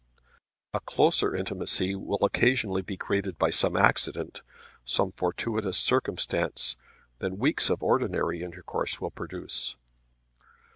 A closer intimacy will occasionally be created by some accident, some fortuitous circumstance, than weeks of ordinary intercourse will produce.